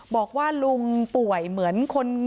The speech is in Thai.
บอกว่าลุงป่วยเหมือนคน